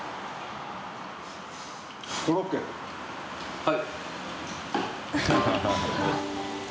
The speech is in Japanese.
はい。